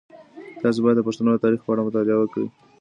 تاسو باید د پښتنو د تاریخ په اړه مطالعه وکړئ.